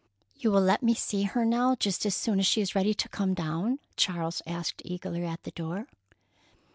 "You will let me see her now just as soon as she is ready to come down?" Charles asked eagerly at the door.